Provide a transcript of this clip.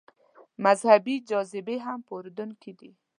مذهبي جاذبې هم په اردن کې دي.